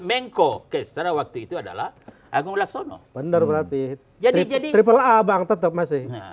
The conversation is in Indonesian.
mengkok es terwaktu itu adalah agung laksana bener berarti jadi jadi pelabang tetap masih